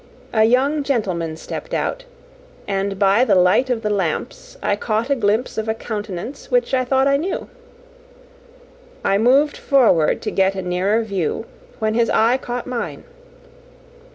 A young gentleman stepped out, and by the light of the lamps I caught a glimpse of a countenance which I thought I knew. I moved forward to get a nearer view, when his eye caught mine.